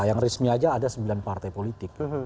yang resmi aja ada sembilan partai politik